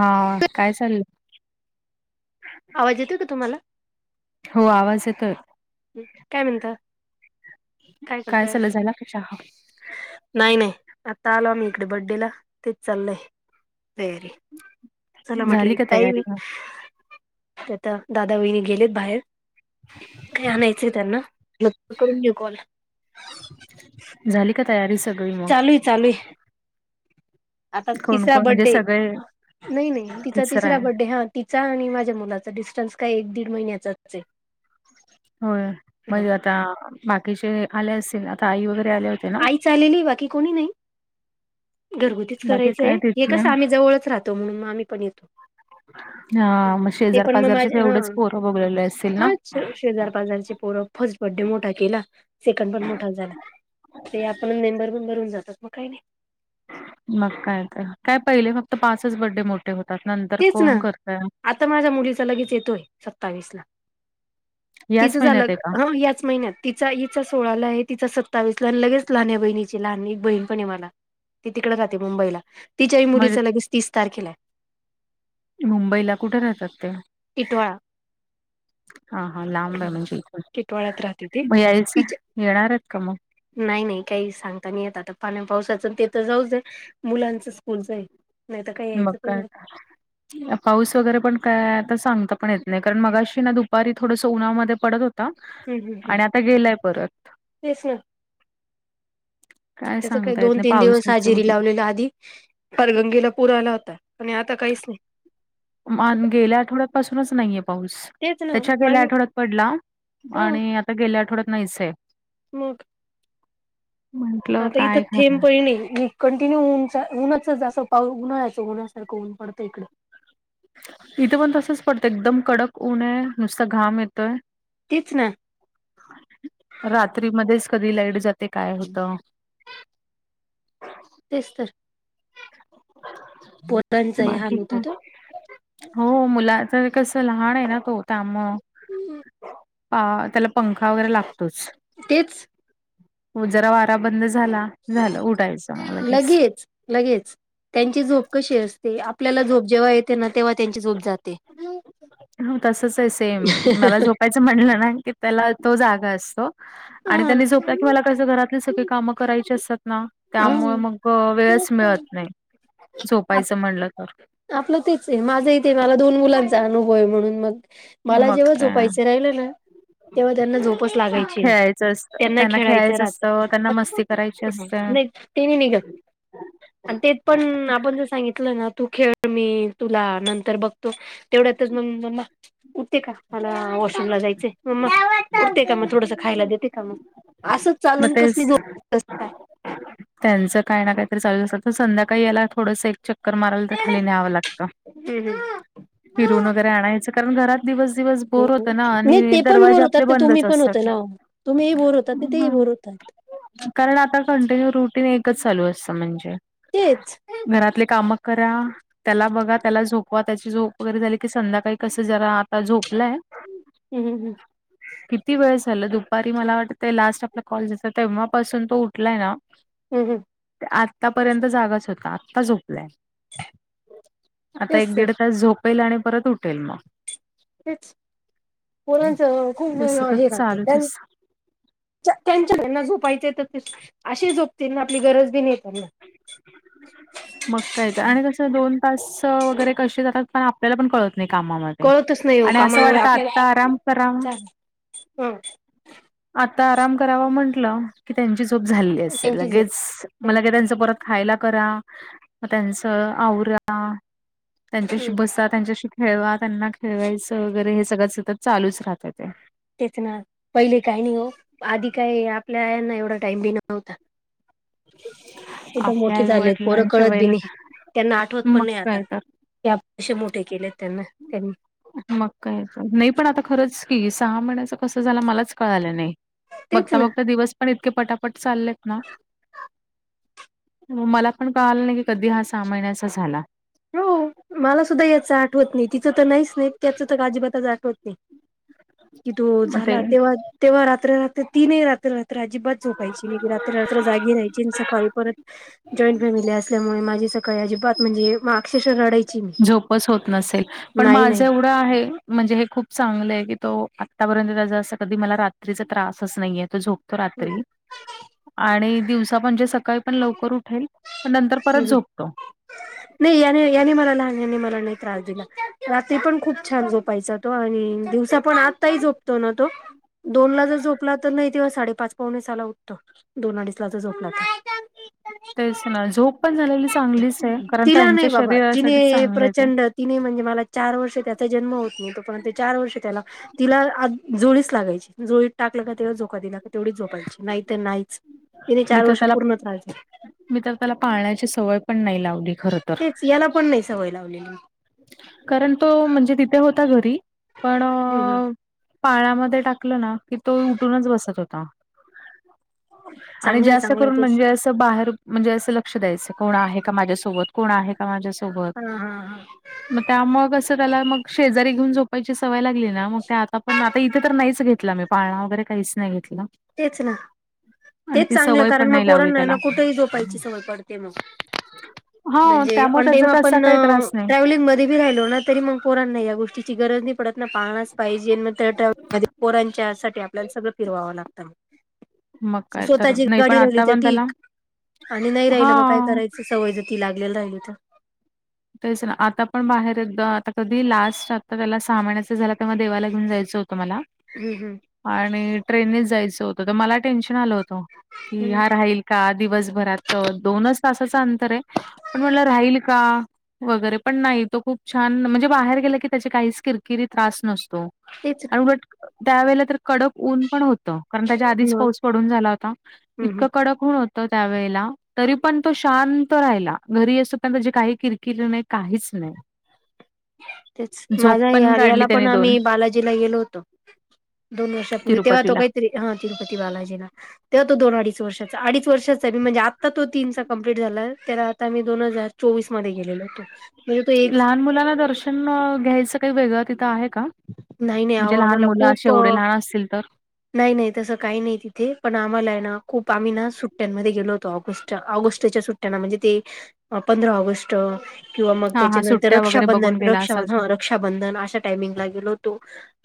हा काय चाललं. आवाज येतोय का तुम्हाला? हो आवाज य तर. हम् काय म्हणत काय करतय. चाललं झाला का चहा नाही नाही आता आलो आम्ही इकडे बडेला तेच चाललंय वेरी. चला झाली म्हटलंय का काही तयारी मग तरता दादा बहिणी गेलेत बाहेर. काय आणायचं त्यांना करून घेऊ कॉल. झाली का तयारी सगळी मग. चालू आहे चालू आहे. आता कोण तिसरा कोण म्हणजे बर््डे सगळे नाही नाही तिचा तिसर तिसरा आहे बड्डे हा. तिचा आणि माझ्या मुलाचा डिस्टन्स काय एक दीड महिन्याचाच आहे. हो हा मग आता बाकीचे आले असतील आता आई वगैरे आल्या. आई चा आलेली बाकी कोणी नाही घरगुतीच बाकी करायचंय काय हे तिथले कसं आम्ही जवळच राहतो. म्हणूनग आम्ही पण येतो. हा मग ते शेजार पण मग पाजारचे माझ्या हा तेवढंच पोरं बघलेले असेल ना. हा शेजार बाजार चे पोर फर्स्ट बर्डे मोठा केला सेकंड पण मोठा झाला ते आपण नेंबर बेंबर होऊन जातात मग काही नाही मग काय तर काय पहिले फक्त पाच बर्डे मोठ होतंत तेच ना आता माझ्या मुलीचा लगेच येतोय सत्तावीस ला याच तिचं महिन्यात झालं आहे का हो याच महिन्यात तिचा हिचा सोळा ला आहे तिचा सत्तावीसला आणि लगेच लहान आहे बहिणीची लहान एक बहीण पण आहे मला ती तिकडं जाते मुंबईला तिच्याही म्हणजे मुलीच लगेच तीस तारखेला आहे मुंबईला कुठे राहतात ते इतोळा हा हा लांब आहे म्हणजे इथण टिटवाळ्यात राहते ती मग यायचं तिच्या येणारच का मग नाही नाही काही सांगता नाही येत आता पाण्या पावसाचं ते तर जाऊच. मुलांचं स्कूलच आहे नाही तरर काही मग यायचंच काय ना. पाऊस वगैरे पण काय आता सांगता पण येत नाही कारण मगाशी ना दुपारी थोडसं उन्हामध्ये पडत होत. आणि आता गेलाय परत. तेस ना काय त्याच काही सांगता येत दोन नाही तीन दिवस पावसाचं हजेरी वगैरे लावलेला आधी. परगंगेला पूर आला होता आणि आता काहीच नाही. गेल्या आठवड्यातपासूनच नाहीये पाऊस. तेच ना त्याच्या गेल्या मागे आठवड्यात पडला ह आणि आता गेल्या आठवड्यात नाहीचय मग आता इथ थेम खरं प नाही कंटिन्यू ऊनचा उनच असं पाऊ उन्हा्याचो उन्हसारखं ऊन पडतं इकडे इथं पण तसच पडतं एकदम कडक ऊन आहे नुसता घाम येतोय तच ना रात्री मच कधी लाईट जाते काय होत तेच तर पोरांचाही हाल बाकी होता का तो हो मुलाच कसं लहान आहे ना तो त्यामुग त्याला पंखा वगैरे लागतोच तेच हो जरा वारा बंद झाला झाला उठायचं लगेच लगेच त्यांची झोप कशी असते आपल्याला झोप जेव्हा येते ना तेव्हा त्यांची झोप जाते हो तसच आहे सेम मला झोपायचं म्हणलं ना की त्याला तो जागा असतो आणि त्यांनी झोपत की मला क घरातले सगळी काम करायची असतात ना त्यामुळे हा मग वेळच मिळत हा. नाही झोपायचं म्हणलं तर आपलं तेच आहे माझं इथे मला दोन मुलांचा अनुभव आहे म्हणून मग मला मग जेव्हा काय झोपायचं राहिलं ना तेव्हा त्यांना झोपच लागायची नाही खेळायचं असतं त्यांना खेळायच्या खेळायचं असतं राहत त्यांना मस्ती करायची असते नाही तने निघा आणि ते पण आपण जर सांगितलं ना तू खेळ मी तुला नंतर बघ तेवढ्यातच म म्मा उठते का मला वॉशरूमला जायचंय म्मा करते का मग थोडस खायला देते का मग असं मग चालून कस तेच जो त्यांचं काय ना काही चालू असतात तर संध्याकाळी याला थोडंसं एक चक्कर मारायला तर खाली न्यावं लागत फिरून वगैर आणायचं कारण घरात दिवस दिवस बोर होतं ना नाही आणि ते पण दरवाजे बोर होतात आपले ना तुम्ही बंदच पण असतात. होत ना तुम्ही बोर होतात तेही हम्म. बोर होतात ह कारण आता कंटिन्यू रुटीन एकच चालू असत म्हणजे तेच घरातले काम करा त्याला बघा त्याला झोपवा त्याची झोप वगैरे झाली की संध्याकाळी कसं जरा आता झोपलंय हम् हम हम् किती वेळ झालं, दुपारी मला वाटत लास्ट आपल्या कॉलेजचा तेव्हापासून तो उठलाय ना. हम्, हम, ते आतापर्यंत जागाच होता आत्ता झोप- आता तेच एक तर दीड तास झोपेल, आणि परत उठेल मग. तेच, पोरांचं खूप ते सतत हे राहतं. चालूच अस त्यांच्या त्यांना झोपायचे तर अशी झोपतीलना, आपली गरज दे नाही त्यांना. मग काय तर, आणि कस दोन तास वगैरे कसे जातात पण आपल्याला पण कळत. कामामध्ये, कळतच नाही हो आणि असं कामामुळे वाटत आपल्याला आता आराम करा झालं ह आता आराम करावा म्हटलं की, त्यांची झोप झाली असेल त्यांची झोप लगेच म- त्यांची परत खायला करा, त्यांच आवरा- हम्म त्यांच्याशी हम्म बसा, त्यांच्याशी खेळवा, त्यांना खेळवायचं वगैरे हे सगळं सतत चालूच राहत ते. तेच ना, पहिले काही नाही हो आधी काय आपल्या यांना एवढा टाइम पण नव्हता. [inaudible] कुठं आपल्या मोठे आई झालेत पोरं वडिलांच्या कळत बी वयला नाही, त्यांना आठवत पण मग नाही आता. काय तर या पसे मोठे केले त्यांना त्यांनी [unintelligible] मग काय तर, नाही पण आता खरंच की सहा महिन्याच कसं झालं मलाच कळालं नाही. तेच बघता, ना बघता, दिवस पण इतके पटापट चाललेत ना. मला पण कळालं नाही की, कधी हा सहा महिन्याचा झाला. हो मला सुद्धा याचं आठवत नाही, तिचं तर नाहीच नाही, त्याचं तर अजिबातच आठवत नाही. कि तो मग ते झाला तेव्हा, तेव्हा रात्र रात्र तीनही रात्र रात्र अजिबात झोपायची नाही, रात्र रात्र जागी राहायचे सकाळी परत जॉईन फॅमिली असल्यामुळे, माझी सकाळी अजिबात म्हणजे अक्षर रडाई- झोपच होत नसेल, पण नाही माझे एवढं हे खूप चांगल आहे की, तो आतापर्यंत त्या अस कधी मला रात्रीचा त्रासच नाहीे तो रात्री, हम्म आणि दिवसा म्हणजे सकाळी पण लवकर उठेल. पण नंतर परत झोपतो. नाही याने, याने मला लहान याने मला नाही त्रास दिला, रात्री पण खूप छान झोपायचा. तो आणि दिवसा पण, आत्ताही झोपतो ना तो? दोन ला जर झोपला तर, नाही तेव्हा साडेपाच पावणे सहाला उठतो. दोन अडीच ला जर झोपला तर. तेच ना, झोप पण झालेली चांगलीच आहे, कारण तिला त्यांच्या नाही बाबा शरीरासाठीच तिने चांगले ते. प्रचंड तिने म्हणजे मला, चार वर्ष त्याचा जन्म होत न तो पर्यंत चार वर्ष त्याला तिला आ जोळीच लागायची जोळीत टाकलं का तेव्हा झोका दिला तेवढीच झोपायची नाही तर नाहीच, तिने मी चार तर वर्ष त्याला पूर्ण त्रास दिलाय. मी तर त्याला पाळण्याची सवय पण नाही लावली. खर तर. तेच याला पण नाही सवय लावलेली. कारण तो, म्हणजे तिथे होता घरी पण- हम्, हम, पाळण्यामध्ये टाकलं ना की, तो उठूनच बसत होता. आणि चांगलंय जास्त चांगलंय करून तेच म्हणजे असं बाहेर म्हणजे, असं लक्ष द्यायचं कोण आहे का माझ्यासोबत कोण आहे का माझ्यासोबत. हा, हा, हा मग त्यामुळे कसं त्याला मग शेजारी घेऊन झोपायची सवय लागली ना मग काय, आता पण आता इथे तर नाहीच घेतला मी. पाळना वगैरे काहीच नाही घेतलं. तेच ना. तेच चांगलं, कारण पण मग नाही लावली त्याला पोरणना कुठेही झोपायची सवय पडते मग. हा म्हणजे त्यामुळे त्याचा ओंडेम तसा आपण काही त्रास नाही. ट्रॅव्हलिंग- राहिलो ना तरी, मग पोरांना या गोष्टीची गरज नाही पडत ना पाळनाच पाहिजे. पोरांच्या साठी आपल्याला सगळं फिरवावं लागतं. मग काय तर स्वतःची नाही पण गाडी राहिली आता तर पण त्याला ठीक आणि नाही राहिलं म काय हा करायचं सवय जर ती लागले ली राहिली तर तेच ना आता पण बाहेर एकदा आता कधी लास्ट आता त्याला सहा महिन्याच झालं तेव्हा देवाला घेऊन जायचं होतं तुम्हाला हम् हम् आणि ट्रेननेच जायचं होतं तर मला टेन्शन आलं होतं की हम्म हा राहील का दिवसभरात दोनच तासाच अंतर आहे पण म्हणल राहील का वगैरे पण नाही तो खूप छान म्हणजे बाहेर गेला की त्याची काहीच किरकिरी त्रास नसतो तेच आणि उलट त्यावेळेला तर कडक ऊन पण होत कारण त्याच्या आधीच मग पाऊस पडून झाला होता हम्म हम्म इतकं कडक ऊन होत तो त्यावेळेला तरी पण तो शांत राहिला घरी अस पण त्याची काही किर किर नाही काहीच नाही‌. तेच माझा पण ह्या काढली याला पण त्यानी दोन आम्ही बालाजीला गेलो होतो. दोन वर्षापूर्वी तेव्हा तो तिरुपतीला. काही तरी हा तिरुपती बालाजीला. तेव्हा तो दोन अडीच वर्षाचा अडीच वर्षाचा मी म्हणजे आता तो तीनचा कम्प्लीट झाला त्याला आता मी दोन हजार. चोवीस मध्ये गेलेल होतो. तो एक लहान मुलांना दर्शन घ्यायचं काही वेगळं तिथं आहे का? नाही नाही अहो म्हणजे लहान आम्हाला मुलं असे खूप एवढे लहान असतील तर. नाही नाही तसं काही नाही तिथे पण आम्हाला आहे ना खूप आम्ही ना सुट्ट्यांमध्ये गेलो होतो ऑगस्टच्या ऑगस्टच्या सुट्ट्या म्हणजे ते पंधरा ऑगस्ट किंवा मग हा हा त्याच्यानंतर सुट्ट्या वगैरे रक्षाबंधन बघून गेला असाल रक्षाबंधन हं तुम्ही. रक्षाबं - बंधन अशा टामिंगला गेलो होतो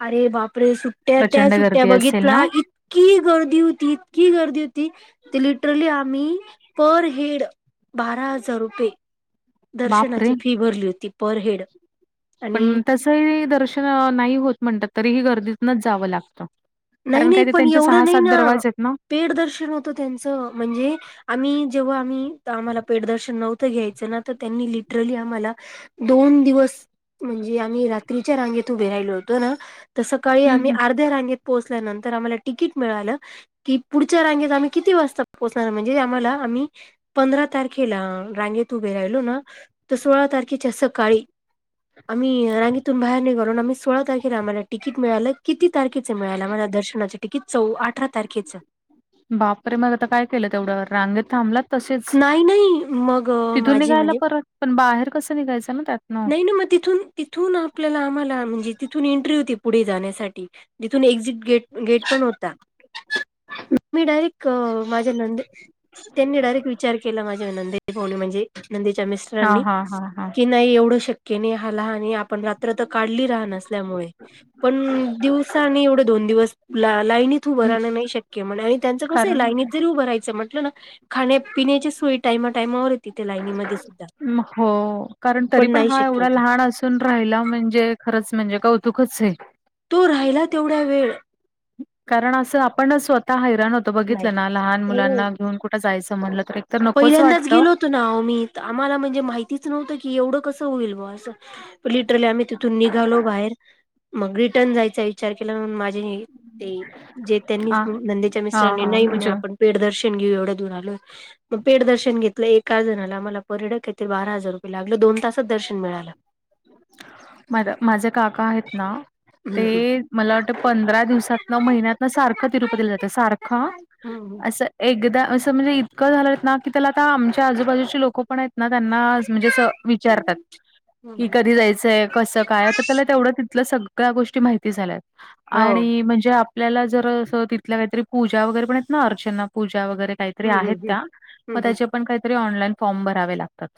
अरे बापरे सुट्ट्या त्या प्रचंड सुट्ट्या गर्दी असेल ना बघितला इ की गर्दी होती इतकी गर्दी होती ते लिटरली आम्ही पर हेड बारा हजार रुपये दर्शनाची बापरे! फी भरली होती पर हेड आणि पण तसही दर्शन नाही होत म्हणतात तरीही गर्दीतनच जावं लागतं नाही, कारण नाही काही ते पण त्यांचे एवढं सहा नाही सात दरवाजे आहेत ना पेड दर्शन होतं त्यांचं म्हणजे आम्ही जेव्हा आम्ही आम्हाला पेडदर्शन नव्हतं घ्यायचं ना तर त्यांनी लिटरली आम्हाला दोन दिवस म्हणजे आम्ही रात्रीच्या रांगेत उभे राहिलो होतो ना तर सकाळी हम्म आम्ही अर्ध्या रांगेत पोहोचल्यानंतर आम्हाला तिकीट मिळालं कि पुढच्या रांगेत आम्ही किती वाजता पोहोचणार म्हणजे आम्हाला आम्ही पंधरा तारखेला रांगेत उभे राहिलो ना तर सोळा तारखेच्या सकाळी आम्ही रांगेतून बाहेर निघालो आम्ही सोळा तारखेला आम्हाला तिकीट मिळालं किती तारखे य मिळाला माझ्या दर्शनाच तिकीट चौ अठरा तारखेचं बापरे मग आता काय केलं तेवढ्यावर रांगेत थांबलात तसेच नाही नाही मग तिथून माझे निघायला म्हणजे परत पण बाहेर कसं निघायचं ना त्यातन नाही ना मग तिथून तिथून आपल्याला आम्हाला म्हणजे तिथून एंट्री होती पुढे जाण्यासाठी तिथून एक्झिट गेट गेट पण होता मी डायरेक्ट माझ्या नंदे त्यांनी डायरेक्ट विचार केला माझ्या नंदे पाहुणे म्हणजे नंदेच्या मिस् - हा स्टरांनी हा हा हा की नाही एवढ शक्य की नाही हा लहान आणि आपण रात्र तर काढली लहान असल्यामुळे पण दिवसा आणि एवढे दोन दिवस ला लाईनीत उभ राहणं नाही शक्य म्ह आणि त्यांच कसं आहे कारण लाईनित जरी उभ रायचं म्हटलं ना खाण्या पिण्याची सोय टायमा टायमावर तिथे लाईनीमध्ये सुद्धा म हो कारण तरी पण नाही हा शक्य एवढा होत लहान असुन तून राहायला म्हणजे खरंच म्हणजे कौतुकच आहे तो राहिला तेवढा वेळ कारण असं आपण स्वतः हैराण होतं नाही बघितलं ना लहान हो मुलांना घेऊन कुठं जायचं म्हणलं तर एक - पहिल्यांदाच गेलो होतो ना आ ओ आम्ही आम्हाला म्हणजे माहितीच नव्हतं की एवढं कसं होईल ब असं लिटरली आम्ही तिथून निघालो बाहेर मग रिटर्न जायच विचार केला म्हणून माझे ते जे त्यांनी हा नंदेच्या हा मिस्टरांनी हा नाही म्हणे म्हणजे आपण पेट दर्शन घेऊ एवढ्या दूर आलोय. मग पेठ दर्शन घेतलं एका जणाला आम्हाला परडे ये काय बारा हजार रुपये लागलं दोन तासच दर्शन मिळालं माझे काका आहेत ना ते हम्म मला वाट पंधरा दिवसात न महिन्यात ना सारखं तिरुपतीला जातं सारखं हम्म अस एकदा असं म्हणजे इतकं झालं ना की त्याला आता आमच्या आजूबाजूचे लोकं पण आहेत. ना त्यांना म्हणजे अस विचारतात. हम्म हम्म की हम्म कधी जायचंय कसं काय आता त्याला तेवढं तिथल्या सगळ्या गोष्टी माहिती झाल्यात हो आणि म्हणजे आपल्याला जर अस तिथल्या काहीतरी पूजा वगैरे पण आहेत ना अर्चना पूजा वगैरे काहीतरी हम्म हम्म आहेत हम्म त्या हम्म मग हम्म त्याच्या पण काहीतरी ऑनलाईन फॉर्म भरावे लागतात.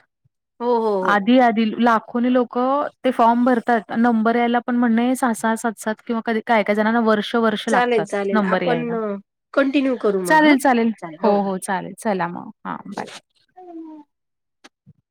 हो हो. हो आधी, आधी ला कोणी लोक ते फॉर्म भरतात नंबर यायला पण म्हणणे सहा, सहा, सात, सात किंवा कधी काय, काय जणाणा वर्ष वर्ष चालेल लागतात चालेल नंबर आपण यायला कंटिन्यू करू मग हा चालेल चालेल हो हो चालेल चला म. हा बाय ‌. ह [unintelligible]